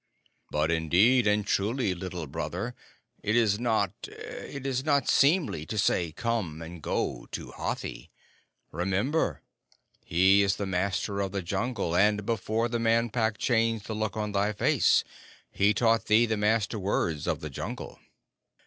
"But, indeed, and truly, Little Brother, it is not it is not seemly to say 'Come,' and 'Go,' to Hathi. Remember, he is the Master of the Jungle, and before the Man Pack changed the look on thy face, he taught thee the Master words of the Jungle."